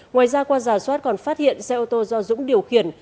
ngoài ra qua giả soát còn phát hiện xe ô tô do dũng điều khiển